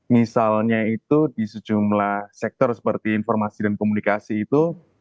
misalnya itu di sejumlah sektor seperti informasi dan komunikasi itu